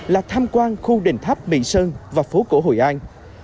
là tham quan khu đền tháp mỹ sơn và phố cổ hội an